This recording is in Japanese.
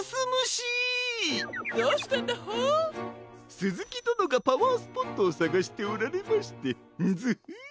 すずきどのがパワースポットをさがしておられましてンヅフッ！